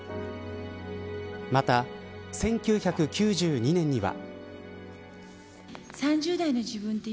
また、１９９２年には。